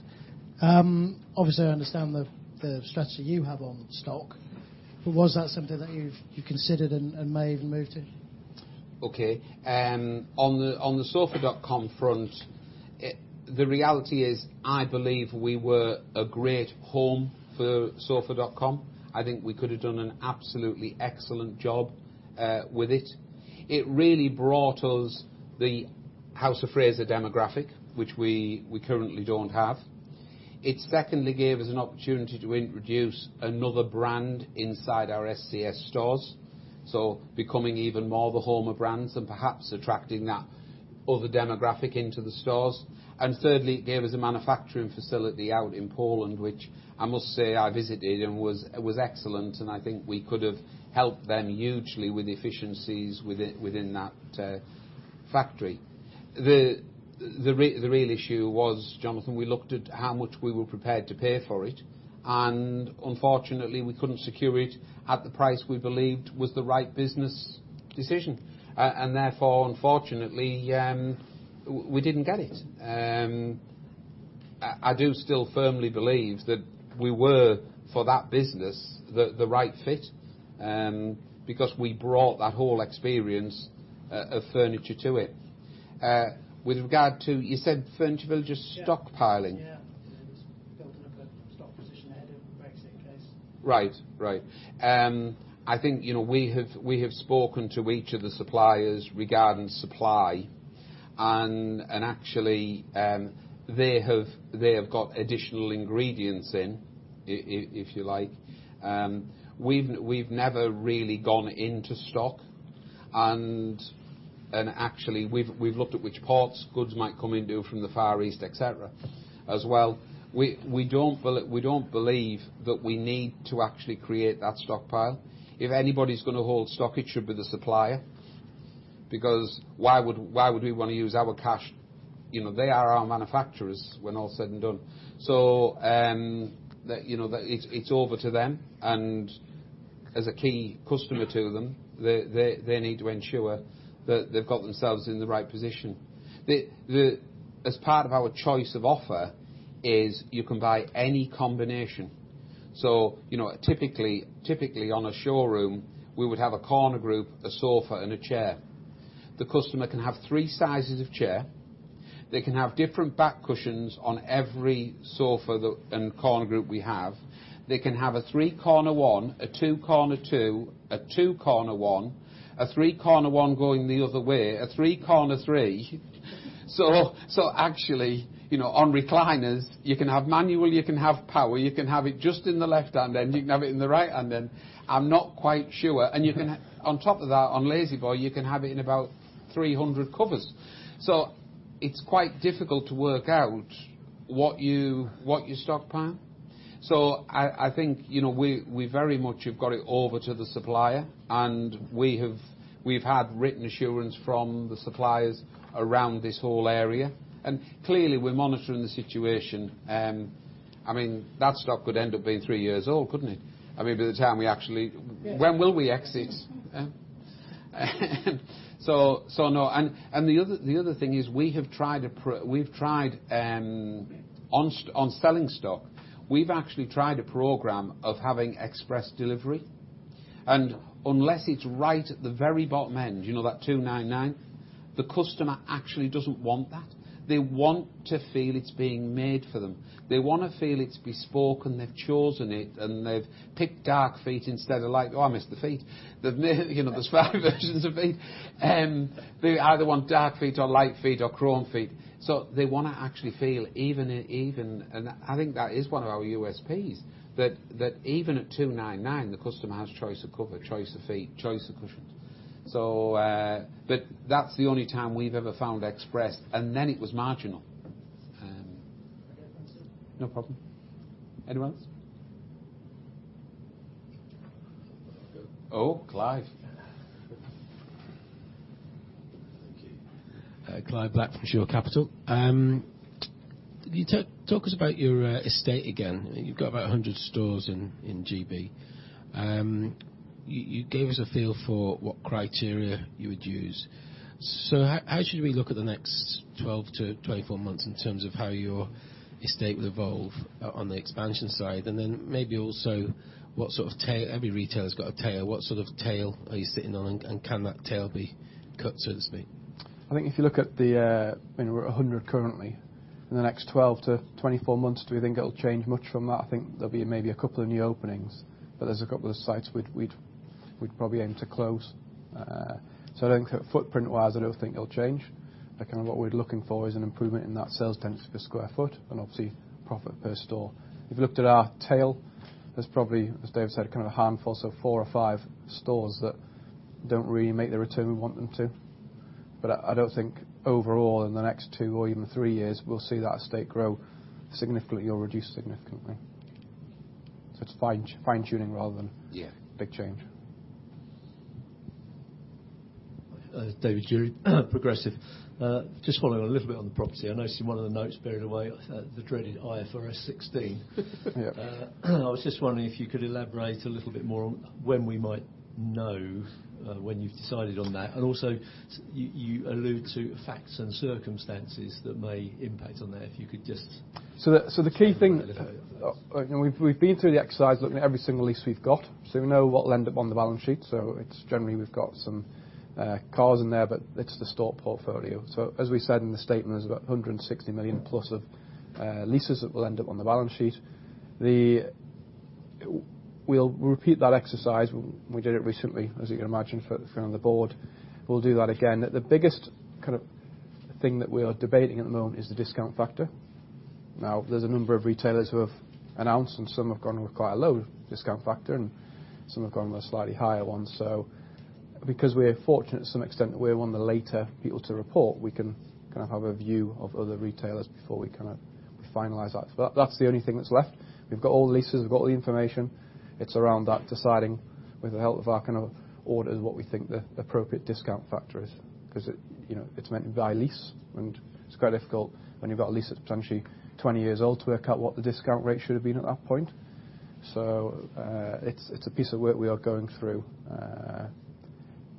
Obviously, I understand the strategy you have on stock, but was that something that you considered and may even move to? Okay. On the Sofa.com front, the reality is I believe we were a great home for Sofa.com. I think we could have done an absolutely excellent job with it. It really brought us the House of Fraser demographic, which we currently do not have. It secondly gave us an opportunity to introduce another brand inside our ScS stores, so becoming even more the home of brands and perhaps attracting that other demographic into the stores. Thirdly, it gave us a manufacturing facility out in Poland, which I must say I visited and was excellent. I think we could have helped them hugely with efficiencies within that factory. The real issue was, Jonathan, we looked at how much we were prepared to pay for it. Unfortunately, we could not secure it at the price we believed was the right business decision. Therefore, unfortunately, we did not get it. I do still firmly believe that we were, for that business, the right fit because we brought that whole experience of furniture to it. With regard to, you said Furniture Village is stockpiling. Yeah. Built in a perfect stock position ahead of Brexit case. Right. Right. I think we have spoken to each of the suppliers regarding supply. Actually, they have got additional ingredients in, if you like. We've never really gone into stock. Actually, we've looked at which parts goods might come into from the Far East, etc., as well. We do not believe that we need to actually create that stockpile. If anybody's going to hold stock, it should be the supplier. Because why would we want to use our cash? They are our manufacturers when all said and done. It is over to them. As a key customer to them, they need to ensure that they've got themselves in the right position. As part of our choice of offer is you can buy any combination. Typically, on a showroom, we would have a corner group, a sofa, and a chair. The customer can have three sizes of chair. They can have different back cushions on every sofa and corner group we have. They can have a three-corner one, a two-corner two, a two-corner one, a three-corner one going the other way, a three-corner three. Actually, on recliners, you can have manual, you can have power, you can have it just in the left hand, and you can have it in the right hand. I'm not quite sure. On top of that, on La-Z-Boy, you can have it in about 300 covers. It is quite difficult to work out what you stockpile. I think we very much have got it over to the supplier. We have had written assurance from the suppliers around this whole area. Clearly, we are monitoring the situation. I mean, that stock could end up being three years old, couldn't it? I mean, by the time we actually—when will we exit? No. The other thing is we have tried—on selling stock, we've actually tried a program of having express delivery. Unless it's right at the very bottom end, you know that 299, the customer actually doesn't want that. They want to feel it's being made for them. They want to feel it's bespoke and they've chosen it and they've picked dark feet instead of light—oh, I missed the feet. There are five versions of feet. They either want dark feet or light feet or chrome feet. They want to actually feel even—and I think that is one of our USPs—that even at 299, the customer has choice of cover, choice of feet, choice of cushions. That is the only time we've ever found express. It was marginal. I don't think so. No problem. Anyone else? Oh, Clive. Thank you. Clive Black from Shore Capital. Can you talk us about your estate again? You've got about 100 stores in the U.K. You gave us a feel for what criteria you would use. How should we look at the next 12-24 months in terms of how your estate will evolve on the expansion side? Maybe also what sort of tail—every retailer's got a tail. What sort of tail are you sitting on? Can that tail be cut, so to speak? I think if you look at the 100 currently, in the next 12 to 24 months, do we think it'll change much from that? I think there'll be maybe a couple of new openings. There are a couple of sites we'd probably aim to close. I don't think that footprint-wise, I don't think it'll change. What we're looking for is an improvement in that sales tendency per sq ft and obviously profit per store. If you looked at our tail, there's probably, as Dave said, kind of a handful, so four or five stores that don't really make the return we want them to. I don't think overall in the next two or even three years, we'll see that estate grow significantly or reduce significantly. It's fine-tuning rather than big change. Just following a little bit on the property, I noticed in one of the notes buried away, the dreaded IFRS 16. I was just wondering if you could elaborate a little bit more on when we might know when you've decided on that. Also, you allude to facts and circumstances that may impact on that if you could just. key thing is we've been through the exercise looking at every single lease we've got. We know what will end up on the balance sheet. Generally, we've got some cars in there, but it's the stock portfolio. As we said in the statement, there's about 160 million plus of leases that will end up on the balance sheet. We'll repeat that exercise. We did it recently, as you can imagine, for the board. We'll do that again. The biggest kind of thing that we're debating at the moment is the discount factor. Now, there's a number of retailers who have announced, and some have gone with quite a low discount factor, and some have gone with a slightly higher one. Because we're fortunate to some extent that we're one of the later people to report, we can kind of have a view of other retailers before we kind of finalize that. That's the only thing that's left. We've got all the leases. We've got all the information. It's around that deciding with the help of our kind of orders what we think the appropriate discount factor is. Because it's meant to be by lease, and it's quite difficult when you've got a lease that's potentially 20 years old to work out what the discount rate should have been at that point. It's a piece of work we are going through.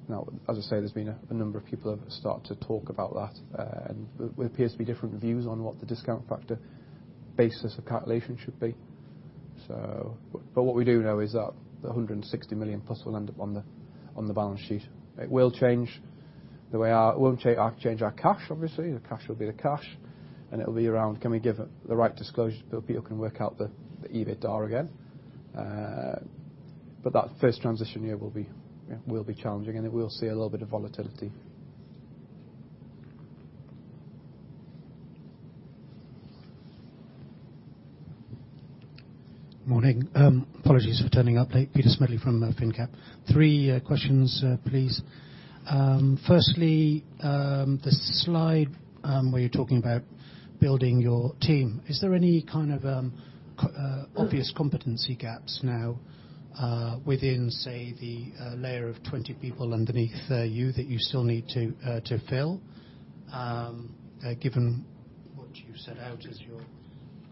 Now, as I say, there's been a number of people who have started to talk about that. There appears to be different views on what the discount factor basis of calculation should be. What we do know is that the 160+ million will end up on the balance sheet. It will change the way our—it will not change our cash, obviously. The cash will be the cash. It will be around, can we give the right disclosures so people can work out the EBITDA again? That first transition year will be challenging, and it will see a little bit of volatility. Morning. Apologies for turning up late. Peter Smedley from FinnCap. Three questions, please. Firstly, the slide where you're talking about building your team, is there any kind of obvious competency gaps now within, say, the layer of 20 people underneath you that you still need to fill, given what you set out as your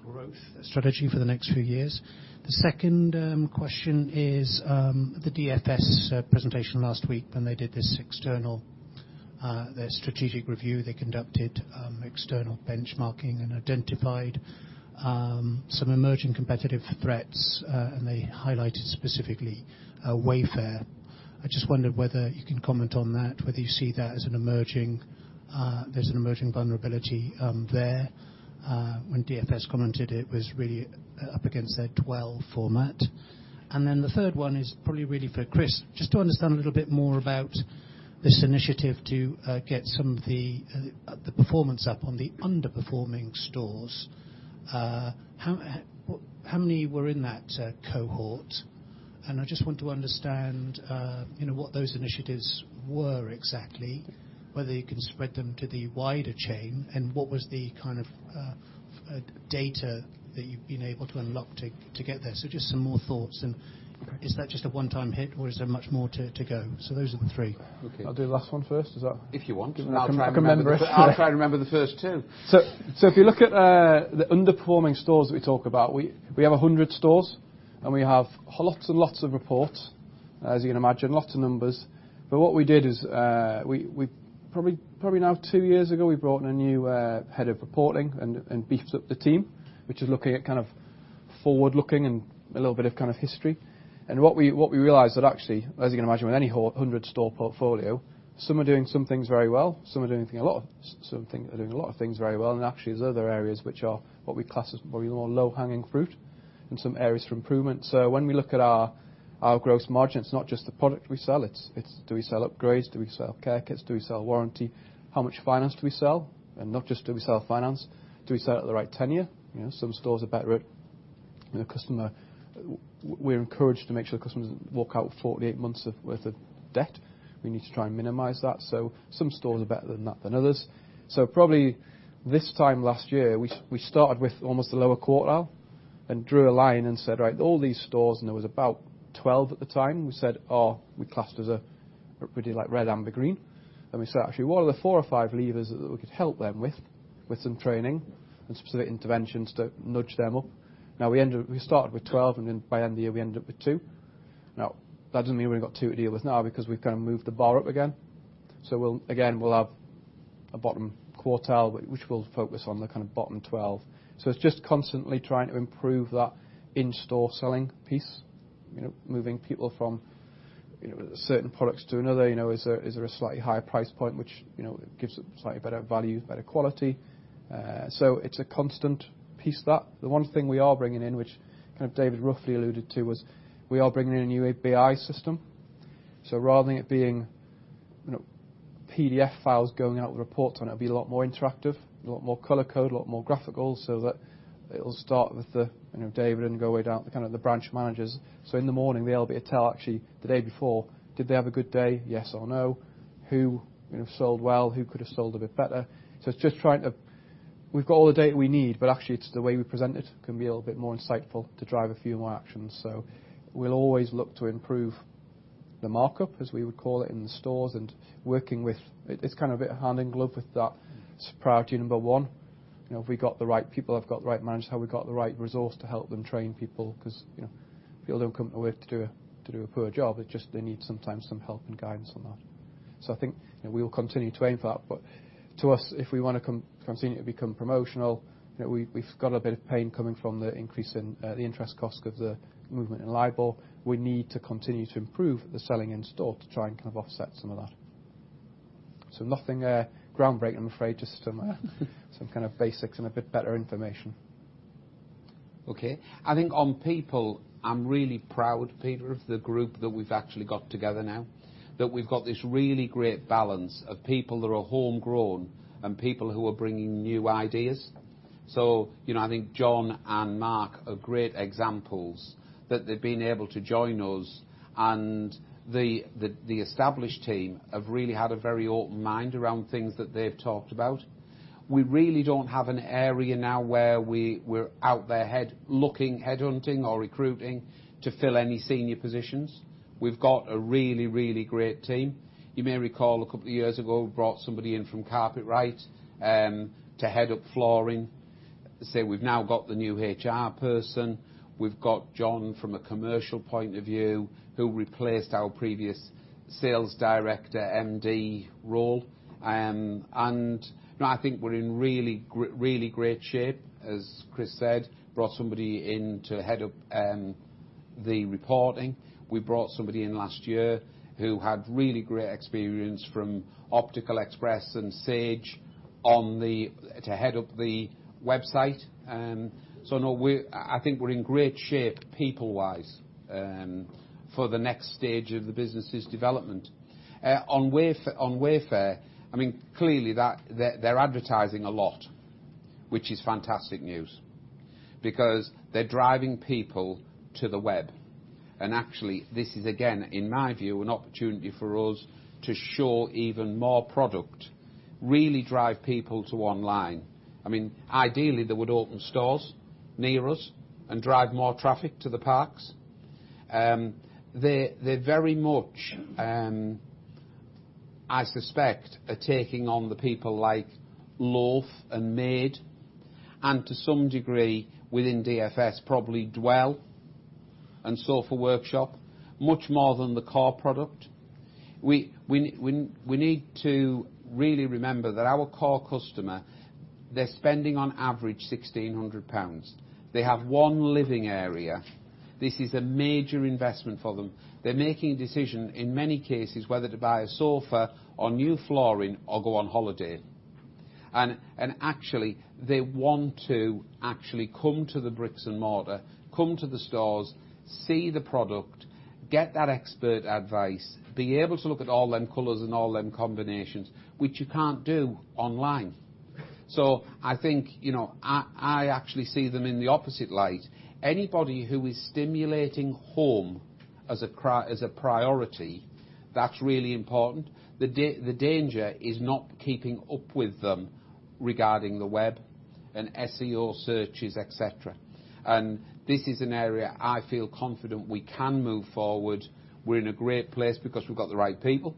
growth strategy for the next few years? The second question is the DFS presentation last week when they did this external strategic review. They conducted external benchmarking and identified some emerging competitive threats, and they highlighted specifically Wayfair. I just wondered whether you can comment on that, whether you see that as an emerging—there's an emerging vulnerability there. When DFS commented, it was really up against their 12 format. The third one is probably really for Chris. Just to understand a little bit more about this initiative to get some of the performance up on the underperforming stores, how many were in that cohort? I just want to understand what those initiatives were exactly, whether you can spread them to the wider chain, and what was the kind of data that you've been able to unlock to get there. Just some more thoughts. Is that just a one-time hit, or is there much more to go? Those are the three. Okay. I'll do the last one first. Is that? If you want. I'll try and remember the first two. If you look at the underperforming stores that we talk about, we have 100 stores, and we have lots and lots of reports, as you can imagine, lots of numbers. What we did is probably now two years ago, we brought in a new head of reporting and beefed up the team, which is looking at kind of forward-looking and a little bit of kind of history. What we realized is that actually, as you can imagine, with any 100-store portfolio, some are doing some things very well. Some are doing a lot of—some things are doing a lot of things very well. Actually, there are other areas which are what we class as probably the more low-hanging fruit and some areas for improvement. When we look at our gross margin, it's not just the product we sell. It's do we sell upgrades? Do we sell care kits? Do we sell warranty? How much finance do we sell? And not just do we sell finance. Do we sell it at the right tenure? Some stores are better at—we're encouraged to make sure the customers walk out with 48 months' worth of debt. We need to try and minimize that. Some stores are better than others. Probably this time last year, we started with almost the lower quartile and drew a line and said, "Right, all these stores," and there was about 12 at the time. We said, "Oh, we classed as a red, amber, green." We said, "Actually, what are the four or five levers that we could help them with, with some training and specific interventions to nudge them up?" We started with 12, and then by end of the year, we ended up with two. That does not mean we have two to deal with now because we have kind of moved the bar up again. Again, we will have a bottom quartile, which we will focus on the kind of bottom 12. It is just constantly trying to improve that in-store selling piece, moving people from certain products to another. Is there a slightly higher price point, which gives a slightly better value, better quality? It is a constant piece of that. The one thing we are bringing in, which kind of David roughly alluded to, was we are bringing in a new ABI system. Rather than it being PDF files going out with reports on it, it will be a lot more interactive, a lot more color code, a lot more graphical, so that it will start with David and go way down to kind of the branch managers. In the morning, they will be able to tell actually the day before, did they have a good day? Yes or no? Who sold well? Who could have sold a bit better? It is just trying to—we have got all the data we need, but actually, it is the way we present it can be a little bit more insightful to drive a few more actions. We'll always look to improve the markup, as we would call it, in the stores and working with—it's kind of a bit of hand in glove with that priority number one. If we've got the right people, I've got the right managers, have we got the right resource to help them train people? Because people don't come to work to do a poor job. It's just they need sometimes some help and guidance on that. I think we will continue to aim for that. To us, if we want to continue to become promotional, we've got a bit of pain coming from the increase in the interest cost of the movement in LIBOR. We need to continue to improve the selling in store to try and kind of offset some of that. Nothing groundbreaking, I'm afraid, just some kind of basics and a bit better information. Okay. I think on people, I'm really proud, Peter, of the group that we've actually got together now, that we've got this really great balance of people that are homegrown and people who are bringing new ideas. I think John and Mark are great examples that they've been able to join us. The established team have really had a very open mind around things that they've talked about. We really don't have an area now where we're out there headhunting or recruiting to fill any senior positions. We've got a really, really great team. You may recall a couple of years ago, we brought somebody in from Carpetright to head up flooring. We've now got the new HR person. We've got John from a commercial point of view who replaced our previous Sales Director MD role. I think we're in really great shape, as Chris said, brought somebody in to head up the reporting. We brought somebody in last year who had really great experience from Optical Express and Sage to head up the website. I think we're in great shape people-wise for the next stage of the business's development. On Wayfair, I mean, clearly they're advertising a lot, which is fantastic news because they're driving people to the web. Actually, this is, again, in my view, an opportunity for us to show even more product, really drive people to online. Ideally, they would open stores near us and drive more traffic to the parks. They're very much, I suspect, taking on the people like Loaf and Maid and, to some degree, within DFS, probably Dwell and Sofa Workshop, much more than the core product. We need to really remember that our core customer, they're spending on average 1,600 pounds. They have one living area. This is a major investment for them. They're making a decision, in many cases, whether to buy a sofa or new flooring or go on holiday. They want to actually come to the bricks and mortar, come to the stores, see the product, get that expert advice, be able to look at all them colors and all them combinations, which you can't do online. I think I actually see them in the opposite light. Anybody who is stimulating home as a priority, that's really important. The danger is not keeping up with them regarding the web and SEO searches, etc. This is an area I feel confident we can move forward. We're in a great place because we've got the right people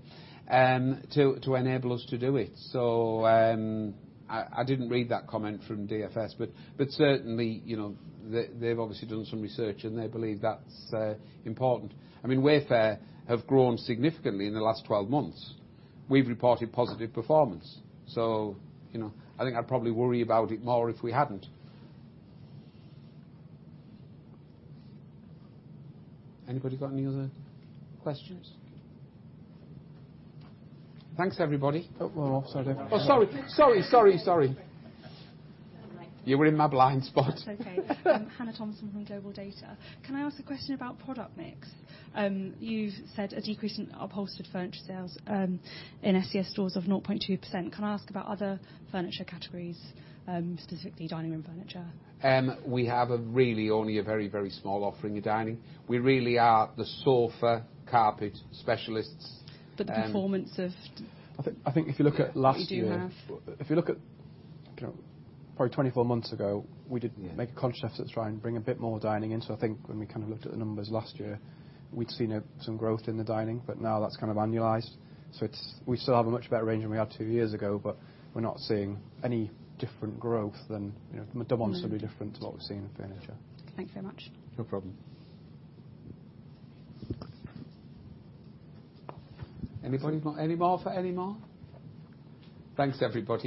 to enable us to do it. I didn't read that comment from DFS, but certainly, they've obviously done some research, and they believe that's important. I mean, Wayfair have grown significantly in the last 12 months. We've reported positive performance. I think I'd probably worry about it more if we hadn't. Anybody got any other questions? Thanks, everybody. Oh, sorry. Oh, sorry. Sorry, sorry. You were in my blind spot. Okay. Hannah Thompson from GlobalData. Can I ask a question about product mix? You've said a decrease in upholstered furniture sales in ScS stores of 0.2%. Can I ask about other furniture categories, specifically dining room furniture? We have really only a very, very small offering of dining. We really are the sofa, carpet specialists. The performance of. I think if you look at last year. They do have. If you look at probably 24 months ago, we did make a conscious effort to try and bring a bit more dining in. I think when we kind of looked at the numbers last year, we'd seen some growth in the dining, but now that's kind of annualized. We still have a much better range than we had two years ago, but we're not seeing any different growth than the months will be different to what we've seen in furniture. Thank you very much. No problem. Anybody got any more for any more? Thanks, everybody.